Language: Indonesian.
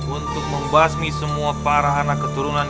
untuk membasmi semua para anak keturunan